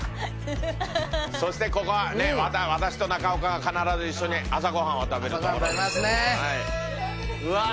そしてここはねまた私と中岡が必ず一緒に朝ご飯を食べる朝ご飯食べますねうわ